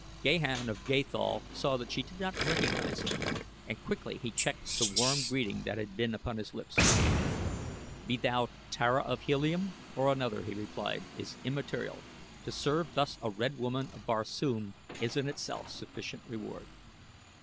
Gahan of Gathol saw that she did not recognize him, and quickly he checked the warm greeting that had been upon his lips. "Be thou Tara of Helium or another," he replied, "is immaterial, to serve thus a red woman of Barsoom is in itself sufficient reward."